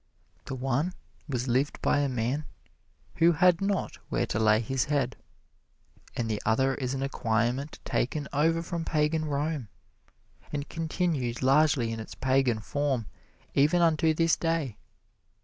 The one was lived by a Man who had not where to lay His head; and the other is an acquirement taken over from pagan Rome, and continued largely in its pagan form even unto this day.